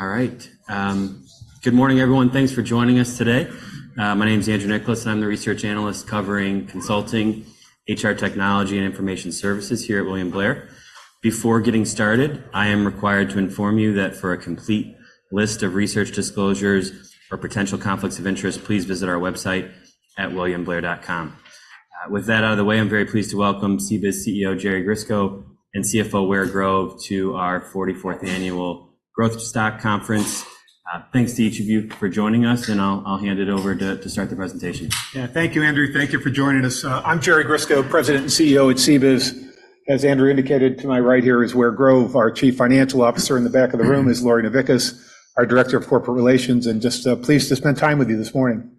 All right. Good morning, everyone. Thanks for joining us today. My name is Andrew Nicholas, and I'm the research analyst covering consulting, HR technology, and information services here at William Blair. Before getting started, I am required to inform you that for a complete list of research disclosures or potential conflicts of interest, please visit our website at williamblair.com. With that out of the way, I'm very pleased to welcome CBIZ CEO, Jerry Grisko, and CFO, Ware Grove, to our 44th Annual Growth Stock Conference. Thanks to each of you for joining us, and I'll hand it over to start the presentation. Yeah. Thank you, Andrew. Thank you for joining us. I'm Jerry Grisko, President and CEO at CBIZ. As Andrew indicated, to my right here is Ware Grove, our Chief Financial Officer. In the back of the room is Lori Novickis, our Director of Corporate Relations, and just pleased to spend time with you this morning.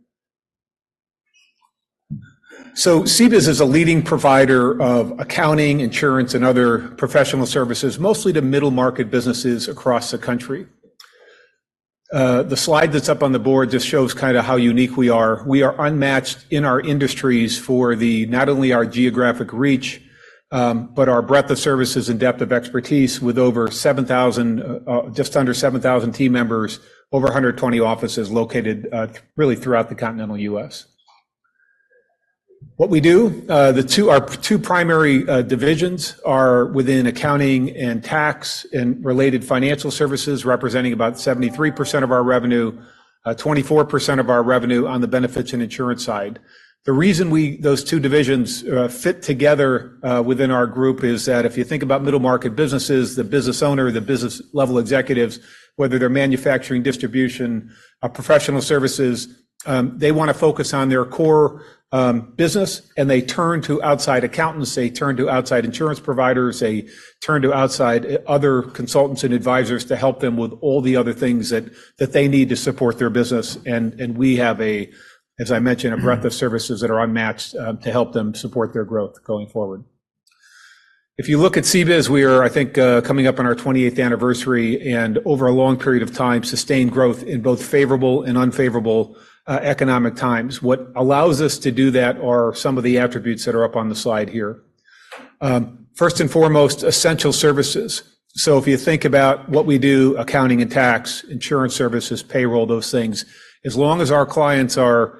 CBIZ is a leading provider of accounting, insurance, and other professional services, mostly to middle-market businesses across the country. The slide that's up on the board just shows kinda how unique we are. We are unmatched in our industries for not only our geographic reach, but our breadth of services and depth of expertise, with over 7,000, just under 7,000 team members, over 120 offices located, really throughout the continental US. What we do, our two primary divisions are within accounting and tax and related financial services, representing about 73% of our revenue, 24% of our revenue on the benefits and insurance side. The reason we, those two divisions, fit together within our group is that if you think about middle-market businesses, the business owner, the business-level executives, whether they're manufacturing, distribution, professional services, they wanna focus on their core business, and they turn to outside accountants, they turn to outside insurance providers, they turn to outside other consultants and advisors to help them with all the other things that they need to support their business. And we have, as I mentioned, a breadth of services that are unmatched to help them support their growth going forward. If you look at CBIZ, we are, I think, coming up on our 28th anniversary, and over a long period of time, sustained growth in both favorable and unfavorable economic times. What allows us to do that are some of the attributes that are up on the slide here. First and foremost, essential services. So if you think about what we do, accounting and tax, insurance services, payroll, those things, as long as our clients are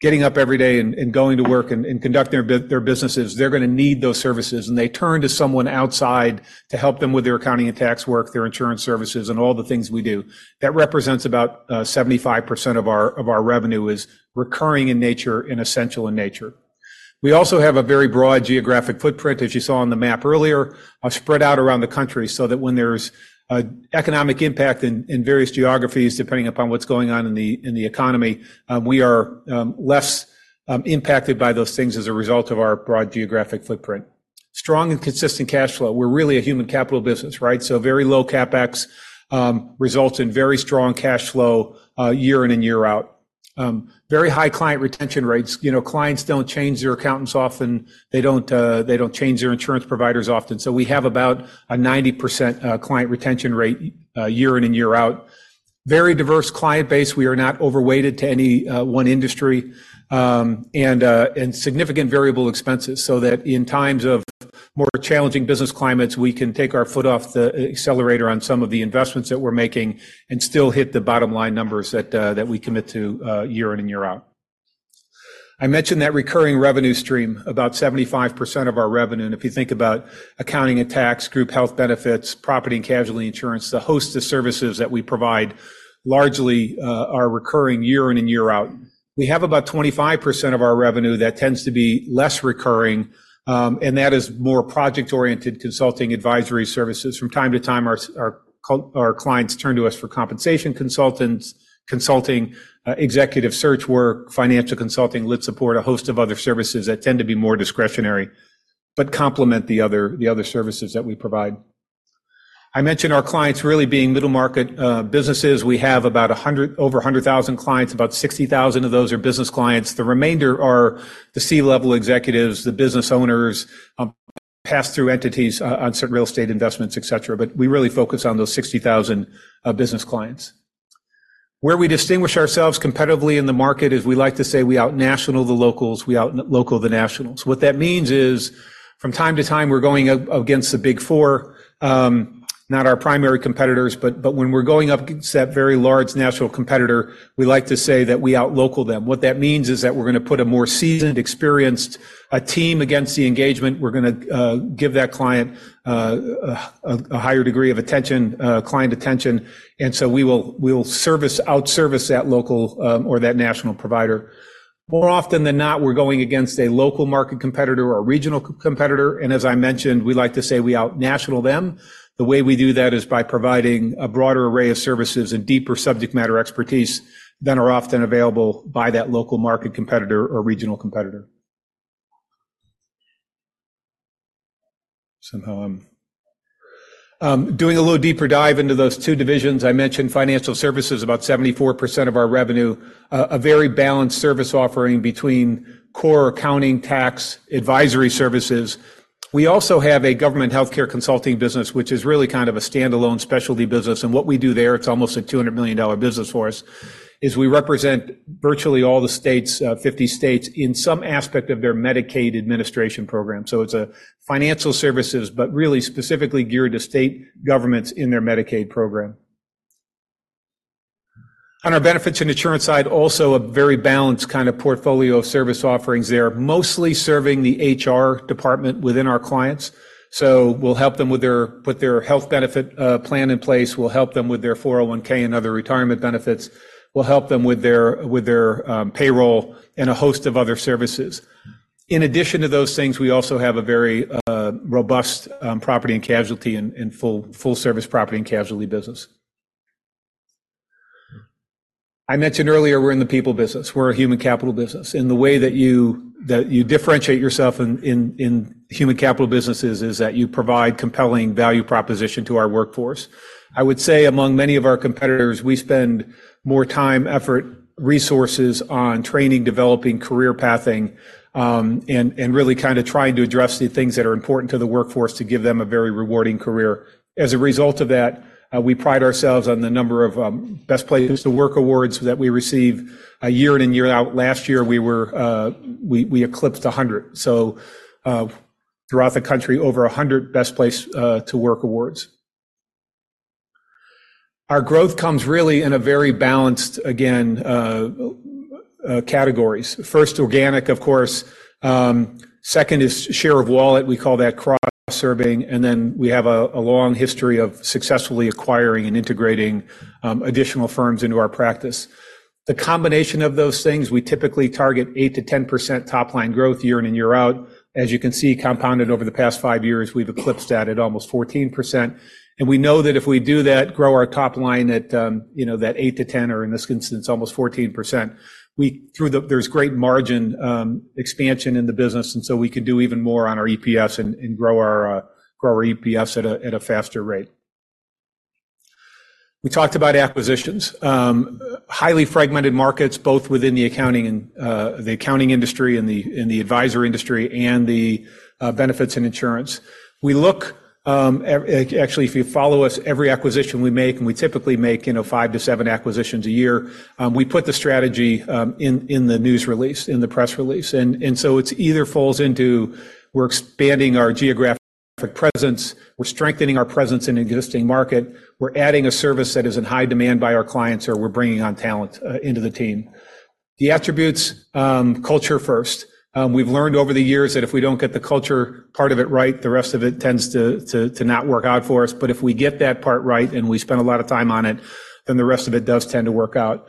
getting up every day and going to work and conduct their businesses, they're gonna need those services, and they turn to someone outside to help them with their accounting and tax work, their insurance services, and all the things we do. That represents about 75% of our revenue is recurring in nature and essential in nature. We also have a very broad geographic footprint, as you saw on the map earlier, spread out around the country so that when there's an economic impact in various geographies, depending upon what's going on in the economy, we are less impacted by those things as a result of our broad geographic footprint. Strong and consistent cash flow. We're really a human capital business, right? So very low CapEx results in very strong cash flow, year in and year out. Very high client retention rates. You know, clients don't change their accountants often. They don't change their insurance providers often. So we have about a 90% client retention rate, year in and year out. Very diverse client base. We are not overweighted to any one industry, and significant variable expenses, so that in times of more challenging business climates, we can take our foot off the accelerator on some of the investments that we're making and still hit the bottom line numbers that we commit to year in and year out. I mentioned that recurring revenue stream, about 75% of our revenue. And if you think about accounting and tax, group health benefits, property and casualty insurance, the host of services that we provide largely are recurring year in and year out. We have about 25% of our revenue that tends to be less recurring, and that is more project-oriented consulting advisory services. From time to time, our clients turn to us for compensation consultants, consulting, executive search work, financial consulting, lit support, a host of other services that tend to be more discretionary, but complement the other, the other services that we provide. I mentioned our clients really being middle-market businesses. We have over 100,000 clients. About 60,000 of those are business clients. The remainder are the C-level executives, the business owners, pass-through entities on certain real estate investments, et cetera, but we really focus on those 60,000 business clients. Where we distinguish ourselves competitively in the market is we like to say we out-national the locals, we out-local the nationals. What that means is, from time to time, we're going up against the Big Four, not our primary competitors, but when we're going up against that very large national competitor, we like to say that we out-local them. What that means is that we're gonna put a more seasoned, experienced, team against the engagement. We're gonna give that client, a higher degree of attention, client attention, and so we will, we will service, out-service that local, or that national provider. More often than not, we're going against a local market competitor or a regional competitor, and as I mentioned, we like to say we out-national them. The way we do that is by providing a broader array of services and deeper subject matter expertise than are often available by that local market competitor or regional competitor. Somehow I'm.. Doing a little deeper dive into those two divisions, I mentioned financial services, about 74% of our revenue, a very balanced service offering between core accounting, tax, advisory services. We also have a government healthcare consulting business, which is really kind of a standalone specialty business, and what we do there, it's almost a $200 million business for us, is we represent virtually all the states, 50 states, in some aspect of their Medicaid administration program. So it's a financial services, but really specifically geared to state governments in their Medicaid program. On our benefits and insurance side, also a very balanced kind of portfolio of service offerings there, mostly serving the HR department within our clients. So we'll help them with their, put their health benefit plan in place. We'll help them with their 401(k) and other retirement benefits. We'll help them with their payroll and a host of other services. In addition to those things, we also have a very robust property and casualty and full-service property and casualty business. I mentioned earlier, we're in the people business. We're a human capital business, and the way that you differentiate yourself in human capital businesses is that you provide compelling value proposition to our workforce. I would say among many of our competitors, we spend more time, effort, resources on training, developing, career pathing, and really kind of trying to address the things that are important to the workforce to give them a very rewarding career. As a result of that, we pride ourselves on the number of Best Places to Work awards that we receive year in and year out. Last year, we eclipsed 100. So, throughout the country, over 100 Best Place to Work awards. Our growth comes really in a very balanced, again, categories. First, organic, of course. Second is share of wallet. We call that cross-serving, and then we have a long history of successfully acquiring and integrating additional firms into our practice. The combination of those things, we typically target 8%-10% top-line growth year in and year out. As you can see, compounded over the past 5 years, we've eclipsed that at almost 14%, and we know that if we do that, grow our top line at, you know, that 8%-10%, or in this instance, almost 14%, we, through there, there's great margin expansion in the business, and so we can do even more on our EPS and grow our EPS at a faster rate. We talked about acquisitions. Highly fragmented markets, both within the accounting and the accounting industry and the advisory industry, and the benefits and insurance. Actually, if you follow us, every acquisition we make, and we typically make, you know, 5-7 acquisitions a year, we put the strategy in the news release, in the press release. It's either falls into we're expanding our geographic presence, we're strengthening our presence in an existing market, we're adding a service that is in high demand by our clients, or we're bringing on talent into the team. The attributes, culture first. We've learned over the years that if we don't get the culture part of it right, the rest of it tends to not work out for us. But if we get that part right, and we spend a lot of time on it, then the rest of it does tend to work out.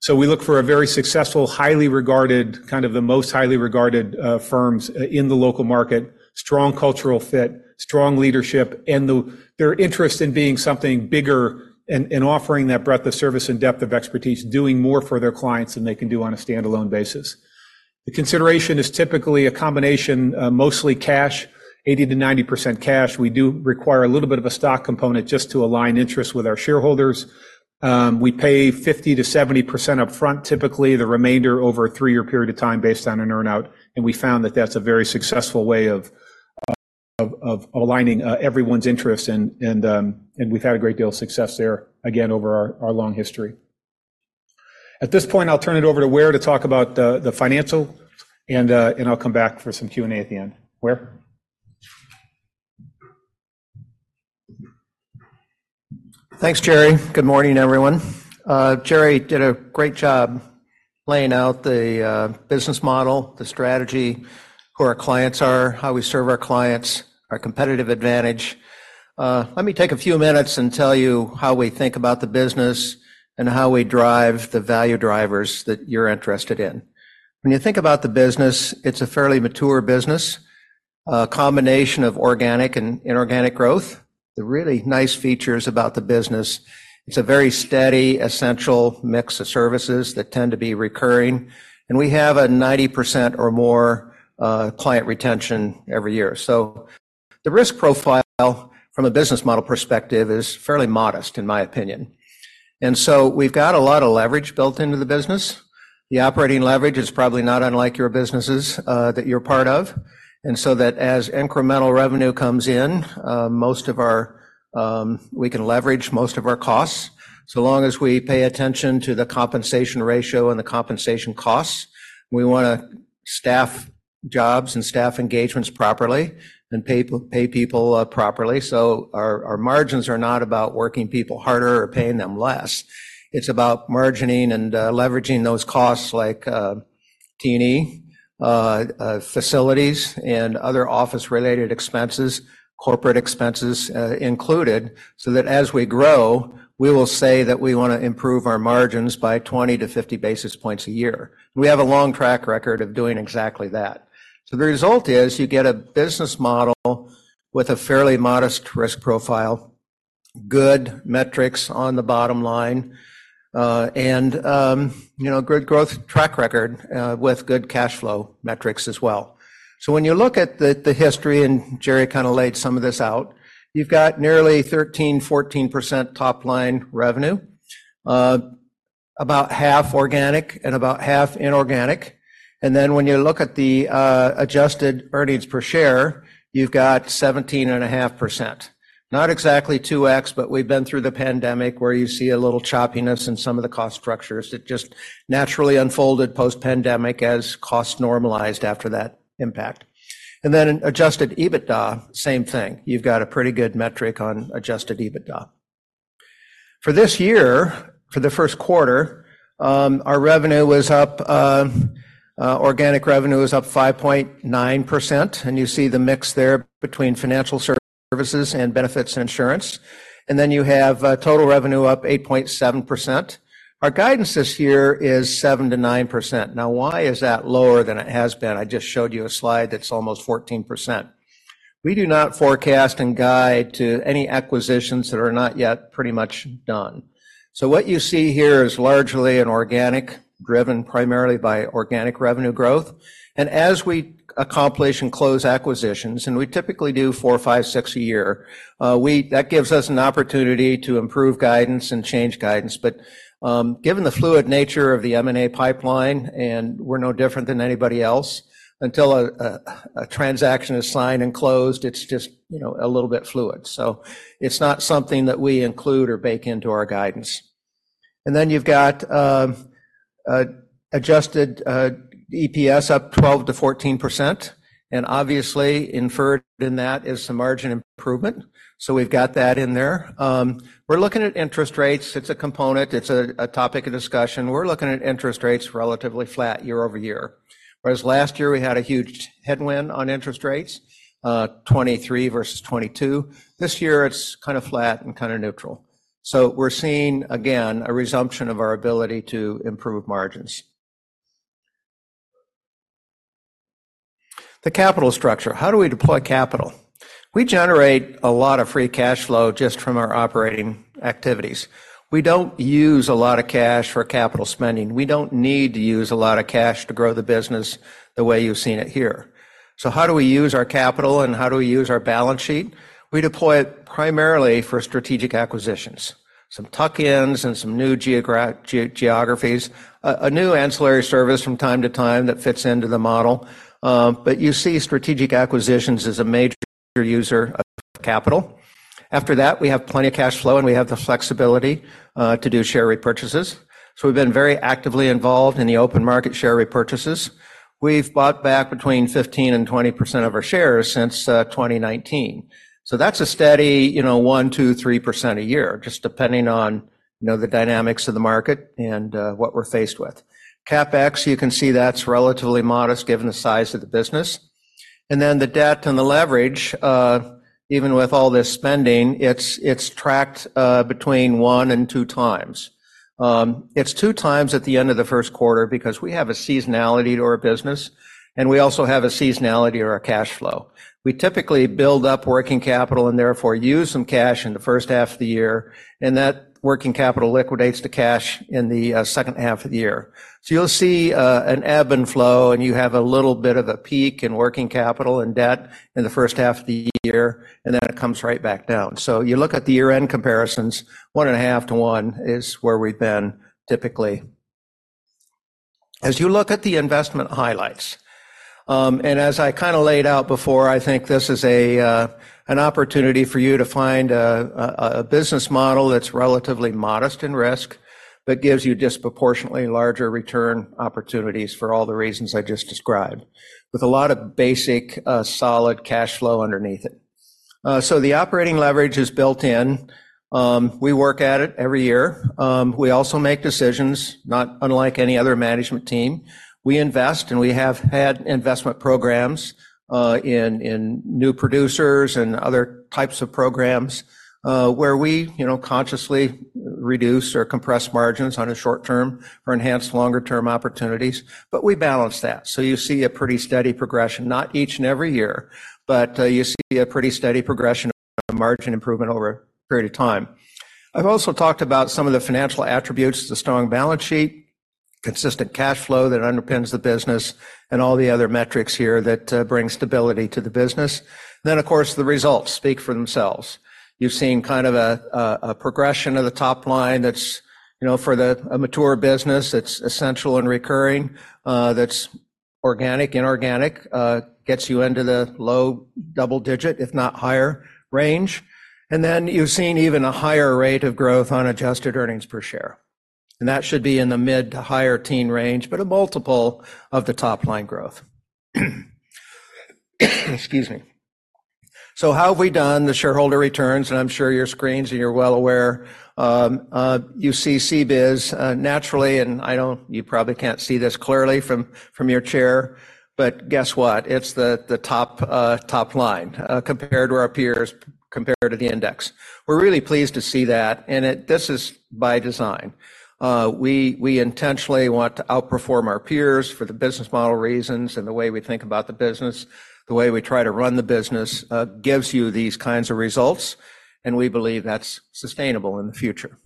So we look for a very successful, highly regarded, kind of the most highly regarded, firms in the local market, strong cultural fit, strong leadership, and the, their interest in being something bigger and, and, offering that breadth of service and depth of expertise, doing more for their clients than they can do on a standalone basis. The consideration is typically a combination of mostly cash, 80%-90% cash. We do require a little bit of a stock component just to align interests with our shareholders. We pay 50%-70% upfront, typically, the remainder over a three-year period of time based on an earn-out, and we found that that's a very successful way of aligning everyone's interests, and, and, and we've had a great deal of success there, again, over our long history. At this point, I'll turn it over to Ware to talk about the financial and I'll come back for some Q&A at the end. Ware? Thanks, Jerry. Good morning, everyone. Jerry did a great job laying out the business model, the strategy, who our clients are, how we serve our clients, our competitive advantage. Let me take a few minutes and tell you how we think about the business and how we drive the value drivers that you're interested in. When you think about the business, it's a fairly mature business, a combination of organic and inorganic growth. The really nice features about the business, it's a very steady, essential mix of services that tend to be recurring, and we have a 90% or more client retention every year. So the risk profile from a business model perspective is fairly modest, in my opinion. And so we've got a lot of leverage built into the business. The operating leverage is probably not unlike your businesses that you're part of, and so that as incremental revenue comes in, we can leverage most of our costs, so long as we pay attention to the compensation ratio and the compensation costs. We wanna staff jobs and staff engagements properly and pay people properly. So our, our margins are not about working people harder or paying them less. It's about margining and, leveraging those costs like, T&E, facilities, and other office-related expenses, corporate expenses, included, so that as we grow, we will say that we wanna improve our margins by 20-50 basis points a year. We have a long track record of doing exactly that. So the result is you get a business model with a fairly modest risk profile, good metrics on the bottom line, and, you know, good growth track record, with good cash flow metrics as well. So when you look at the history, and Jerry kind of laid some of this out, you've got nearly 13%-14% top-line revenue, about half organic and about half inorganic. And then when you look at the adjusted earnings per share, you've got 17.5%. Not exactly 2x, but we've been through the pandemic, where you see a little choppiness in some of the cost structures. It just naturally unfolded post-pandemic as costs normalized after that impact. And then in Adjusted EBITDA, same thing. You've got a pretty good metric on Adjusted EBITDA. For this year, for the first quarter, our revenue was up, organic revenue is up 5.9%, and you see the mix there between financial services and benefits and insurance. And then you have total revenue up 8.7%. Our guidance this year is 7%-9%. Now, why is that lower than it has been? I just showed you a slide that's almost 14%. We do not forecast and guide to any acquisitions that are not yet pretty much done. So what you see here is largely an organic, driven primarily by organic revenue growth. And as we accomplish and close acquisitions, and we typically do 4, 5, 6 a year, that gives us an opportunity to improve guidance and change guidance. But, given the fluid nature of the M&A pipeline, and we're no different than anybody else, until a transaction is signed and closed, it's just, you know, a little bit fluid. So it's not something that we include or bake into our guidance. And then you've got adjusted EPS up 12%-14%, and obviously, inferred in that is some margin improvement. So we've got that in there. We're looking at interest rates. It's a component. It's a topic of discussion. We're looking at interest rates relatively flat year-over-year, whereas last year we had a huge headwind on interest rates, 2023 versus 2022. This year it's kind of flat and kind of neutral. So we're seeing, again, a resumption of our ability to improve margins. The capital structure, how do we deploy capital? We generate a lot of free cash flow just from our operating activities. We don't use a lot of cash for capital spending. We don't need to use a lot of cash to grow the business the way you've seen it here. So how do we use our capital, and how do we use our balance sheet? We deploy it primarily for strategic acquisitions, some tuck-ins and some new geographies, a new ancillary service from time to time that fits into the model. But you see strategic acquisitions as a major user of capital. After that, we have plenty of cash flow, and we have the flexibility to do share repurchases. So we've been very actively involved in the open market share repurchases. We've bought back between 15% and 20% of our shares since 2019. So that's a steady, you know, 1, 2, 3% a year, just depending on, you know, the dynamics of the market and what we're faced with. CapEx, you can see that's relatively modest given the size of the business. And then the debt and the leverage, even with all this spending, it's, it's tracked between 1 and 2 times. It's 2 times at the end of the first quarter because we have a seasonality to our business, and we also have a seasonality to our cash flow. We typically build up working capital and therefore use some cash in the first half of the year, and that working capital liquidates to cash in the second half of the year. So you'll see an ebb and flow, and you have a little bit of a peak in working capital and debt in the first half of the year, and then it comes right back down. So you look at the year-end comparisons, 1.5 to 1 is where we've been typically. As you look at the investment highlights, and as I kind of laid out before, I think this is a an opportunity for you to find a business model that's relatively modest in risk, but gives you disproportionately larger return opportunities for all the reasons I just described, with a lot of basic solid cash flow underneath it. So the operating leverage is built in. We work at it every year. We also make decisions, not unlike any other management team. We invest, and we have had investment programs in new producers and other types of programs, where we, you know, consciously reduce or compress margins on a short-term or enhance longer-term opportunities. But we balance that. So you see a pretty steady progression, not each and every year, but you see a pretty steady progression of margin improvement over a period of time. I've also talked about some of the financial attributes, the strong balance sheet, consistent cash flow that underpins the business, and all the other metrics here that bring stability to the business. Then, of course, the results speak for themselves. You've seen kind of a progression of the top line that's, you know, for a mature business that's essential and recurring, that's organic and inorganic, gets you into the low double-digit, if not higher range. And then you've seen even a higher rate of growth on adjusted earnings per share, and that should be in the mid to higher teen range, but a multiple of the top-line growth. Excuse me. So how have we done the shareholder returns? And I'm sure your screens, and you're well aware, you see CBIZ, naturally. You probably can't see this clearly from your chair, but guess what? It's the top line compared to our peers, compared to the index. We're really pleased to see that, and it, this is by design. We intentionally want to outperform our peers for the business model reasons and the way we think about the business. The way we try to run the business gives you these kinds of results, and we believe that's sustainable in the future.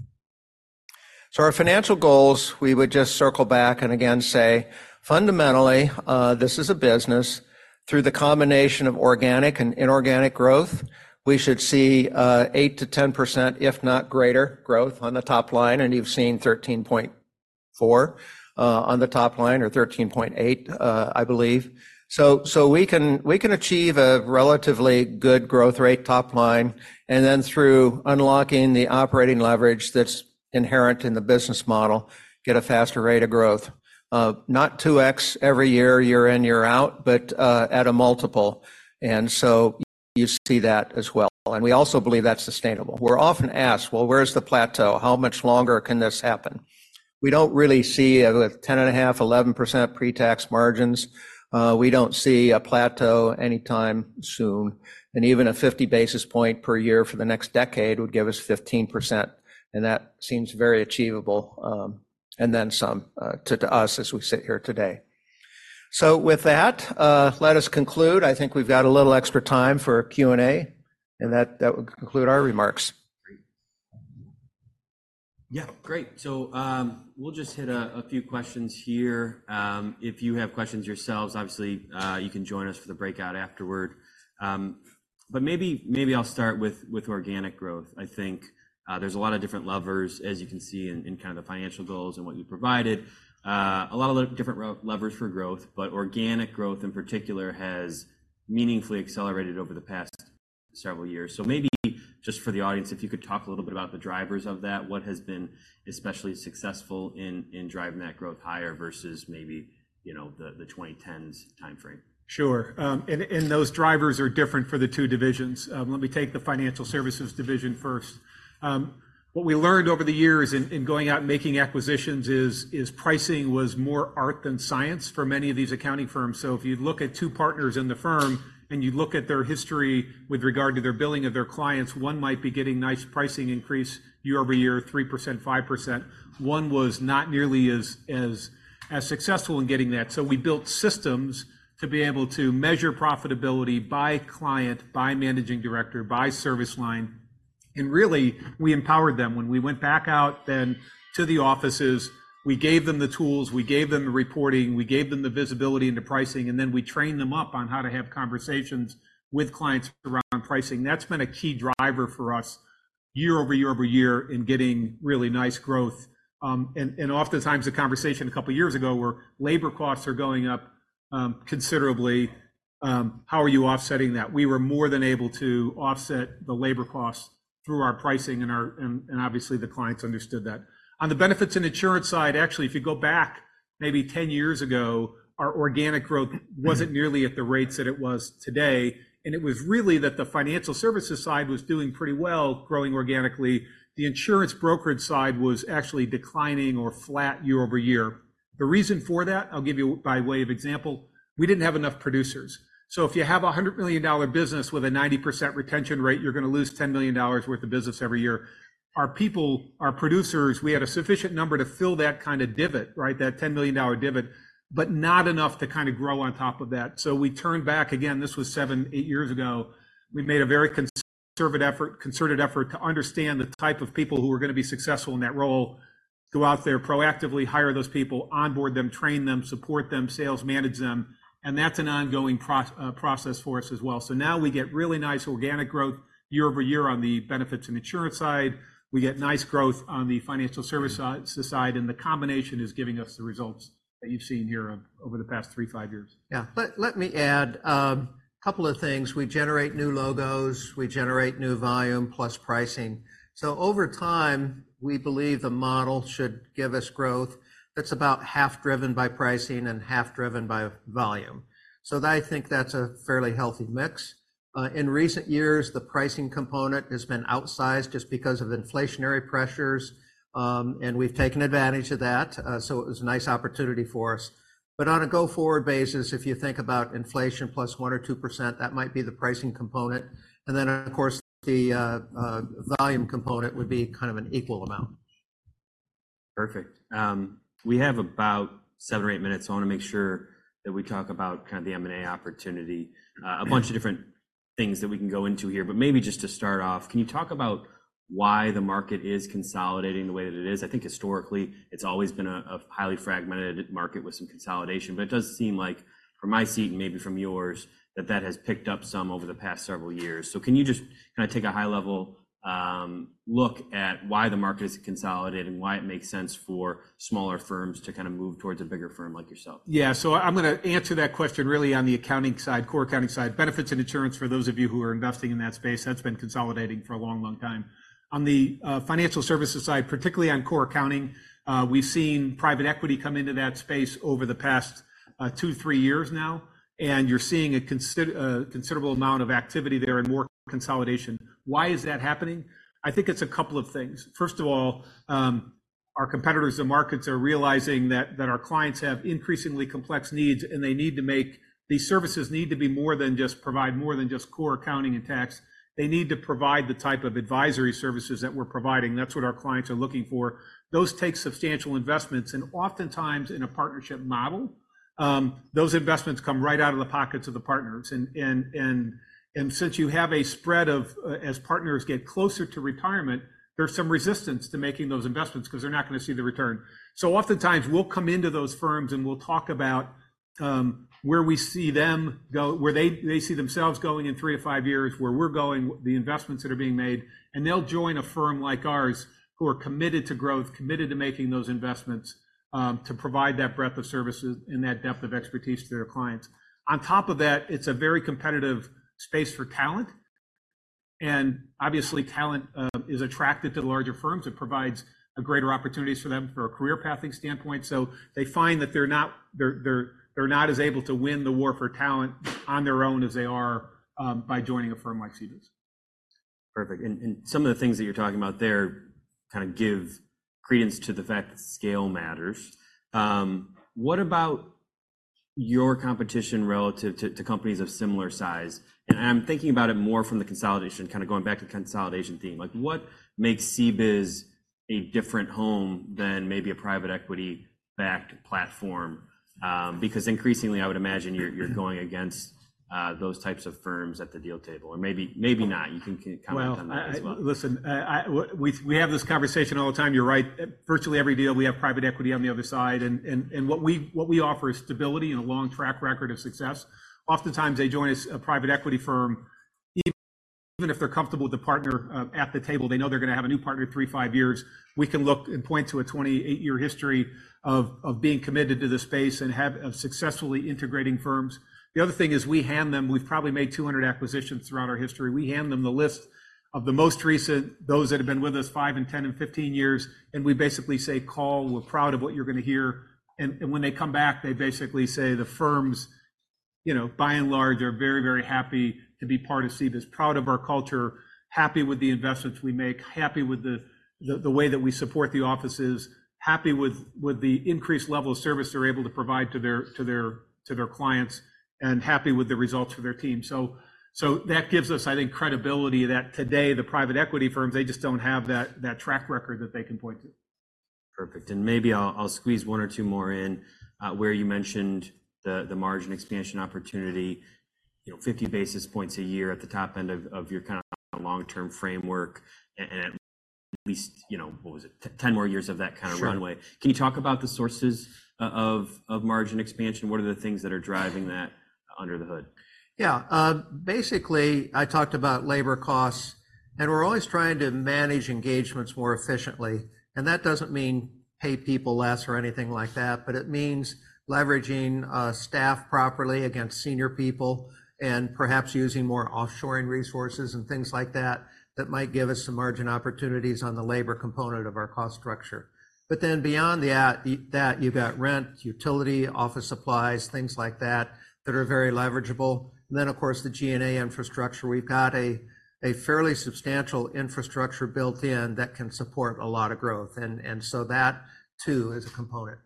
So our financial goals, we would just circle back and again say, fundamentally, this is a business. Through the combination of organic and inorganic growth, we should see, 8%-10%, if not greater, growth on the top line, and you've seen 13.4 on the top line, or 13.8, I believe. So, so we can, we can achieve a relatively good growth rate top line, and then through unlocking the operating leverage that's inherent in the business model, get a faster rate of growth. Not 2x every year, year in, year out, but, at a multiple. And so you see that as well, and we also believe that's sustainable. We're often asked: Well, where's the plateau? How much longer can this happen? We don't really see a 10.5%, 11% pre-tax margins. We don't see a plateau anytime soon, and even a 50 basis point per year for the next decade would give us 15%, and that seems very achievable, and then some, to, to us as we sit here today. So with that, let us conclude. I think we've got a little extra time for a Q&A, and that would conclude our remarks. Yeah, great. So, we'll just hit a few questions here. If you have questions yourselves, obviously, you can join us for the breakout afterward. But maybe I'll start with organic growth. I think, there's a lot of different levers, as you can see in kind of the financial goals and what you provided. A lot of different levers for growth, but organic growth in particular has meaningfully accelerated over the past several years. So maybe just for the audience, if you could talk a little bit about the drivers of that. What has been especially successful in driving that growth higher versus maybe, you know, the 2010s time frame? Sure. And those drivers are different for the two divisions. Let me take the financial services division first. What we learned over the years in going out and making acquisitions is pricing was more art than science for many of these accounting firms. So if you look at two partners in the firm, and you look at their history with regard to their billing of their clients, one might be getting nice pricing increase year-over-year, 3%, 5%. One was not nearly as successful in getting that. So we built systems to be able to measure profitability by client, by managing director, by service line, and really, we empowered them. When we went back out then to the offices, we gave them the tools, we gave them the reporting, we gave them the visibility into pricing, and then we trained them up on how to have conversations with clients around pricing. That's been a key driver for us year over year over year in getting really nice growth. And oftentimes the conversation a couple of years ago where labor costs are going up considerably, how are you offsetting that? We were more than able to offset the labor costs through our pricing and obviously, the clients understood that. On the benefits and insurance side, actually, if you go back maybe 10 years ago, our organic growth wasn't nearly at the rates that it was today, and it was really that the financial services side was doing pretty well, growing organically. The insurance brokerage side was actually declining or flat year-over-year. The reason for that, I'll give you by way of example, we didn't have enough producers. So if you have a $100 million business with a 90% retention rate, you're gonna lose $10 million worth of business every year. Our people, our producers, we had a sufficient number to fill that kind of divot, right? That $10 million divot, but not enough to grow on top of that. So we turned back again, this was 7 or 8 years ago. We made a very conservative, concerted effort to understand the type of people who were gonna be successful in that role, go out there, proactively hire those people, onboard them, train them, support them, sales manage them, and that's an ongoing process for us as well. So now we get really nice organic growth year-over-year on the benefits and insurance side. We get nice growth on the financial services side, and the combination is giving us the results that you've seen here over the past 3, 5 years. Yeah, let me add a couple of things. We generate new logos, we generate new volume, plus pricing. So over time, we believe the model should give us growth that's about half driven by pricing and half driven by volume. So I think that's a fairly healthy mix. In recent years, the pricing component has been outsized just because of inflationary pressures, and we've taken advantage of that, so it was a nice opportunity for us. But on a go-forward basis, if you think about inflation plus 1 or 2%, that might be the pricing component. And then, of course, the volume component would be kind of an equal amount. Perfect. We have about 7 or 8 minutes, so I want to make sure that we talk about kind of the M&A opportunity. A bunch of different things that we can go into here, but maybe just to start off, can you talk about why the market is consolidating the way that it is? I think historically, it's always been a highly fragmented market with some consolidation, but it does seem like from my seat and maybe from yours, that that has picked up some over the past several years. So can you just take a high-level look at why the market is consolidating, why it makes sense for smaller firms to move towards a bigger firm like yourself? Yeah. So I'm gonna answer that question really on the accounting side, core accounting side. Benefits and insurance, for those of you who are investing in that space, that's been consolidating for a long, long time. On the financial services side, particularly on core accounting, we've seen private equity come into that space over the past 2-3 years now, and you're seeing a considerable amount of activity there and more consolidation. Why is that happening? I think it's a couple of things. First of all, our competitors and markets are realizing that our clients have increasingly complex needs, and these services need to be more than just provide more than just core accounting and tax. They need to provide the type of advisory services that we're providing. That's what our clients are looking for. Those take substantial investments, and oftentimes in a partnership model, those investments come right out of the pockets of the partners. Since you have a spread of, as partners get closer to retirement, there's some resistance to making those investments 'cause they're not gonna see the return. So oftentimes, we'll come into those firms, and we'll talk about where we see them go, where they see themselves going in 3-5 years, where we're going, the investments that are being made, and they'll join a firm like ours, who are committed to growth, committed to making those investments, to provide that breadth of services and that depth of expertise to their clients. On top of that, it's a very competitive space for talent... and obviously talent is attracted to the larger firms. It provides a greater opportunities for them from a career pathing standpoint. So they find that they're not as able to win the war for talent on their own as they are by joining a firm like CBIZ. Perfect. And some of the things that you're talking about there kind of give credence to the fact that scale matters. What about your competition relative to companies of similar size? And I'm thinking about it more from the consolidation, kinda going back to the consolidation theme. Like, what makes CBIZ a different home than maybe a private equity-backed platform? Because increasingly, I would imagine you're going against those types of firms at the deal table, or maybe not. You can comment on that as well. Well, listen, we have this conversation all the time. You're right. Virtually every deal, we have private equity on the other side, and what we offer is stability and a long track record of success. Oftentimes, they join us, a private equity firm, even if they're comfortable with the partner at the table, they know they're gonna have a new partner in 3-5 years. We can look and point to a 28-year history of being committed to this space and of successfully integrating firms. The other thing is we hand them... We've probably made 200 acquisitions throughout our history. We hand them the list of the most recent, those that have been with us 5, 10, and 15 years, and we basically say, "Call. We're proud of what you're gonna hear." And when they come back, they basically say the firms, you know, by and large, are very, very happy to be part of CBIZ. Proud of our culture, happy with the investments we make, happy with the way that we support the offices, happy with the increased level of service they're able to provide to their clients, and happy with the results for their team. So that gives us, I think, credibility that today, the private equity firms, they just don't have that track record that they can point to. Perfect. And maybe I'll squeeze one or two more in, where you mentioned the margin expansion opportunity, you know, 50 basis points a year at the top end of your kinda long-term framework, and at least, you know, what was it? 10 more years of that kind of runway. Sure. Can you talk about the sources of margin expansion? What are the things that are driving that under the hood? Yeah. Basically, I talked about labor costs, and we're always trying to manage engagements more efficiently, and that doesn't mean pay people less or anything like that, but it means leveraging staff properly against senior people and perhaps using more offshoring resources and things like that that might give us some margin opportunities on the labor component of our cost structure. But then beyond that, you've got rent, utility, office supplies, things like that that are very leverageable. And then, of course, the G&A infrastructure. We've got a fairly substantial infrastructure built in that can support a lot of growth, and so that, too, is a component.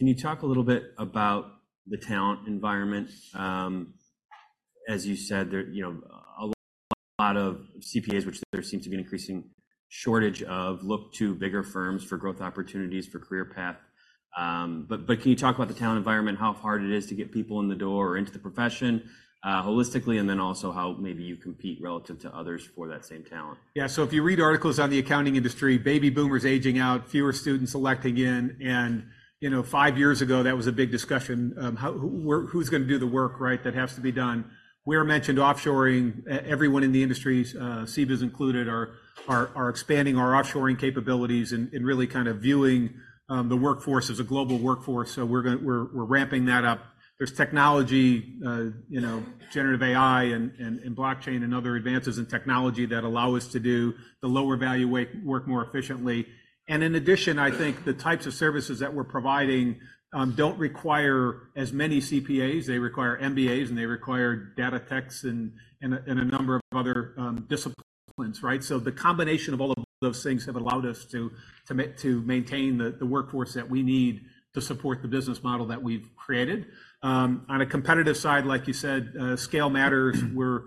Can you talk a little bit about the talent environment? As you said, there, you know, a lot of CPAs, which there seems to be an increasing shortage of, look to bigger firms for growth opportunities, for career path. But can you talk about the talent environment, how hard it is to get people in the door or into the profession, holistically, and then also how maybe you compete relative to others for that same talent? Yeah, so if you read articles on the accounting industry, baby boomers aging out, fewer students selecting in, and, you know, five years ago, that was a big discussion. How, who's gonna do the work, right, that has to be done? We mentioned offshoring. Everyone in the industries, CBIZ included, are expanding our offshoring capabilities and really kind of viewing the workforce as a global workforce. So we're ramping that up. There's technology, you know, generative AI and blockchain and other advances in technology that allow us to do the lower value work more efficiently. And in addition, I think the types of services that we're providing don't require as many CPAs. They require MBAs, and they require data techs and a number of other disciplines, right? So the combination of all of those things have allowed us to maintain the workforce that we need to support the business model that we've created. On a competitive side, like you said, scale matters. We're,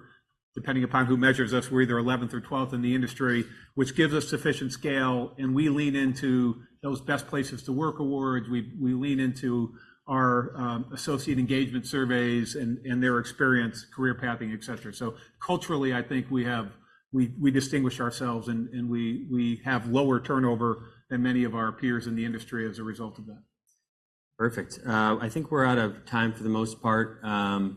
depending upon who measures us, we're either eleventh or twelfth in the industry, which gives us sufficient scale, and we lean into those best places to work awards. We lean into our associate engagement surveys and their experience, career pathing, et cetera. So culturally, I think we distinguish ourselves, and we have lower turnover than many of our peers in the industry as a result of that. Perfect. I think we're out of time for the most part.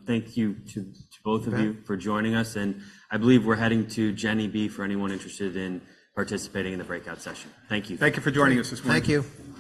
Thank you to both of you. Okay. For joining us, and I believe we're heading to Jenner B for anyone interested in participating in the breakout session. Thank you. Thank you for joining us this morning. Thank you.